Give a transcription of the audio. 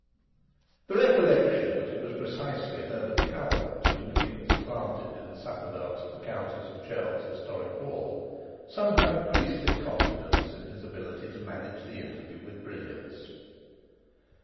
The recollection that it was precisely Herbert Calvert whom he had supplanted in the supper dance at the Countess of Chell's historic ball somehow increased his confidence in his ability to manage the interview with brilliance.